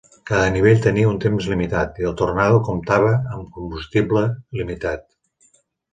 Cada nivell tenia un temps limitat, i el Tornado comptava amb combustible limitat.